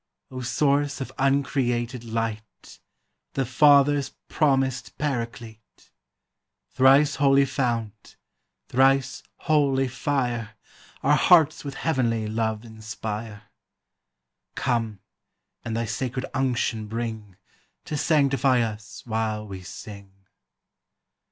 O source of uncreated light. The Father's promised Paraclete! Thrice holy fount, thrice holy fire. Our hearts with heavenly love inspire; Come, and thy sacred unction bring, To sanctify us while we sing.